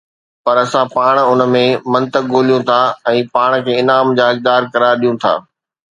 پر اسان پاڻ ان ۾ منطق ڳوليون ٿا ۽ پاڻ کي انعام جا حقدار قرار ڏيون ٿا